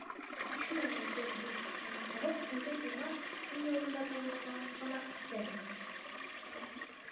Шуны ла әйтеү мөһим: араҡыһыҙ туйҙы иман, дин юлында тороусылар ғына үткәрмәй.